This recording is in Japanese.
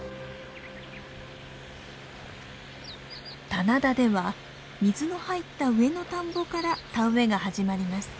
棚田では水の入った上の田んぼから田植えが始まります。